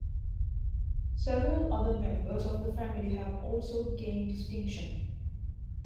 Several other members of the family have also gained distinction.